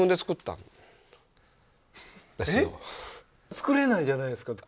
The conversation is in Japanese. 作れないじゃないですかこんなの。